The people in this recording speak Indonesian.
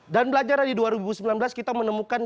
belajar dari dua ribu sembilan belas kita menemukan